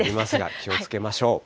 気をつけましょう。